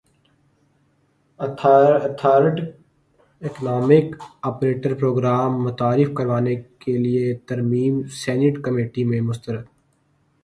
authorised economic operator program متعارف کروانے کیلئے ترمیم سینیٹ کمیٹی میں مسترد